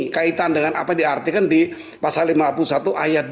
kaitan dengan apa yang diartikan di pasal lima puluh satu ayat dua